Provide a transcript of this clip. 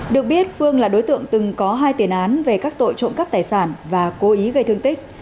được biết phương là đối tượng từng có hai tiền án về các tội trộm cắp tài sản và cố ý gây thương tích